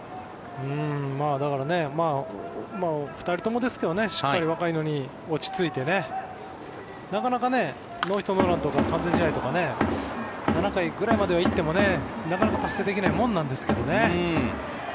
だから、２人ともですがしっかり、若いのに落ち着いてね、なかなかノーヒット・ノーランとか完全試合とか７回ぐらいまでは行ってもなかなか達成できないもんなんですけど。